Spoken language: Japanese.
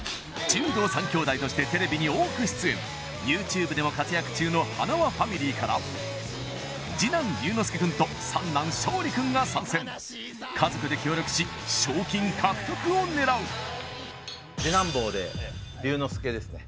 柔道三兄弟としてテレビに多く出演ＹｏｕＴｕｂｅでも活躍中のはなわファミリーから次男龍ノ介君と三男昇利君が参戦家族で協力し賞金獲得を狙う次男坊で龍ノ介ですね